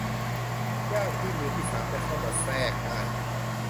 ยากที่มือที่สามจะเข้ามาแทรกได้